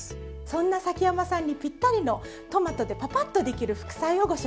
そんな崎山さんにぴったりのトマトでパパッとできる副菜をご紹介します。